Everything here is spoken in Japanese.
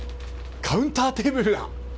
カウンターテーブルが。